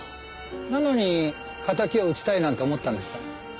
なのに敵を討ちたいなんて思ったんですか？